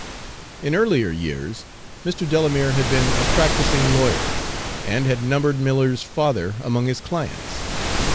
In earlier years Mr. Delamere had been a practicing lawyer, and had numbered Miller's father among his clients.